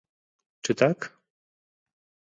Czy tak?